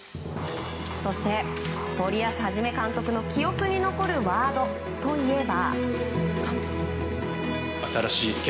そして森保一監督の記憶に残るワードといえば。